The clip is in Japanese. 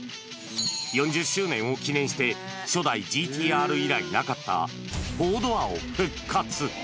４０周年を記念して、初代ＧＴーＲ以来なかった４ドアを復活。